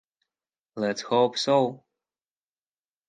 Let’s hope so.